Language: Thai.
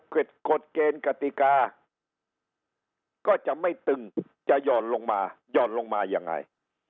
ผิดกฎเกณฑ์กติกาก็จะไม่ตึงจะหย่อนลงมาหย่อนลงมายังไง